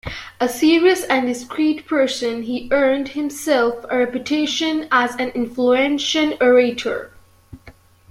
A serious and discreet person, he earned himself a reputation as an influential orator.